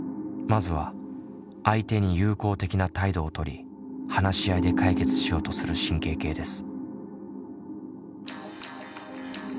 まずは相手に友好的な態度をとり話し合いで解決しようとする神経系です。